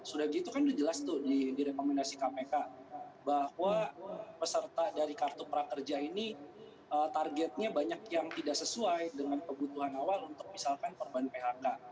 sudah gitu kan sudah jelas tuh di rekomendasi kpk bahwa peserta dari kartu prakerja ini targetnya banyak yang tidak sesuai dengan kebutuhan awal untuk misalkan korban phk